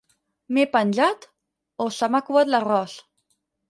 «m'he penjat» o «se m'ha covat l'arròs».